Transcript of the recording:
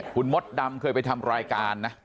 คุณมดดำเคยไปทำรายการนะ